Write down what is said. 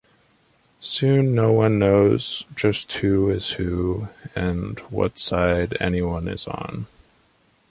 Soon no one knows just who is who and what side anyone is on.